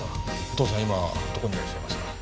お父さん今どこにいらっしゃいますか？